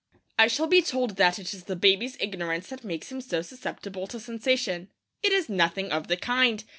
I shall be told that it is the baby's ignorance that makes him so susceptible to sensation. It is nothing of the kind.